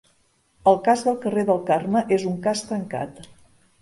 El cas del carrer del Carme és un cas tancat.